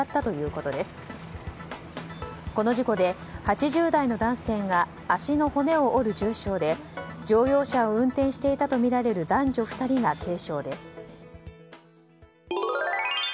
この事故で、８０代の男性が足の骨を折る重傷で乗用車を運転していたとみられる男女２人が軽傷です。